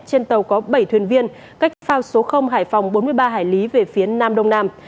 trên tàu có bảy thuyền viên cách phao số hải phòng bốn mươi ba hải lý về phía nam đông nam